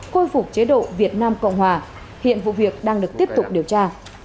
khôi phục chế độ việt nam cộng hòa hiện vụ việc đang được tiếp tục điều tra